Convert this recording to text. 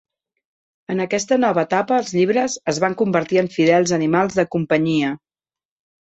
En aquesta nova etapa, els llibres es van convertir en fidels animals de companyia.